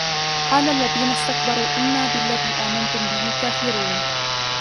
قَالَ الَّذِينَ اسْتَكْبَرُوا إِنَّا بِالَّذِي آمَنْتُمْ بِهِ كَافِرُونَ